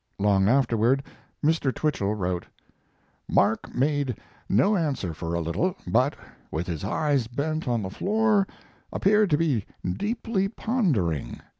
Long afterward Mr. Twichell wrote: Mark made no answer for a little, but, with his eyes bent on the floor, appeared to be deeply pondering.